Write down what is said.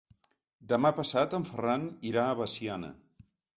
Demà passat en Ferran irà a Veciana.